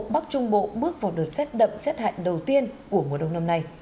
bắc trung bộ bước vào đợt xét đậm xét hạn đầu tiên của mùa đông năm nay